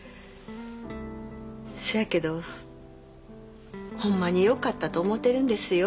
せやけどほんまによかったと思うてるんですよ。